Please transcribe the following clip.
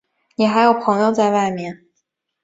你还有朋友在外面？